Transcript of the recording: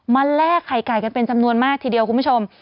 แลกไข่ไก่กันเป็นจำนวนมากทีเดียวคุณผู้ชม